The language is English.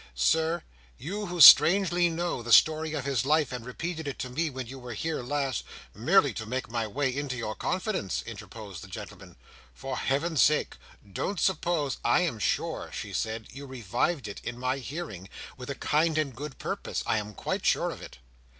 Sir, you who strangely know the story of his life, and repeated it to me when you were here last—" "Merely to make my way into your confidence," interposed the gentleman. "For heaven's sake, don't suppose—" "I am sure," she said, "you revived it, in my hearing, with a kind and good purpose. I am quite sure of it."